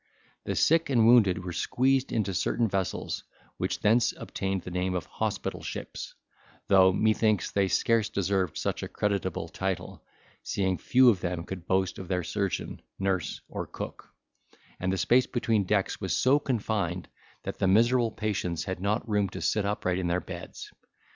The sick and wounded were squeezed into certain vessels, which thence obtained the name of hospital ships, though methinks they scarce deserved such a creditable title, seeing few of them could boast of their surgeon, nurse, or cook; and the space between decks was so confined that the miserable patients had not room to sit upright in their beds.